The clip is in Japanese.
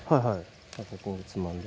あとこうつまんで。